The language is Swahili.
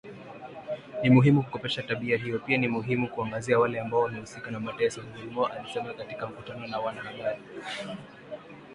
Ni muhimu kukomesha tabia hiyo pia ni muhimu kuwaangazia wale ambao wamehusika na mateso Gilmore alisema katika mkutano na wanahabari